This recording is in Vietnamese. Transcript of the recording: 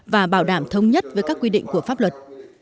và bảo đảm thống nhất với các quy định của pháp luật